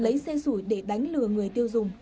lấy xê sủi để đánh lừa người tiêu dùng